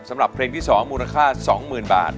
สำหรับเพลงที่๒มูลค่า๒๐๐๐บาท